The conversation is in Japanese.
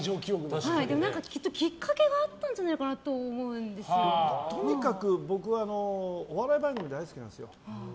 でも、きっかけがあったんじゃないかととにかく僕はお笑い番組が大好きなんですよ。